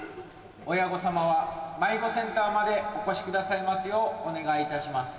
親御さまは迷子センターまでお越しくださいますようお願いいたします。